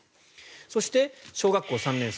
そして小学校３年生